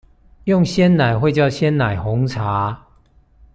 用鮮奶會叫鮮奶紅茶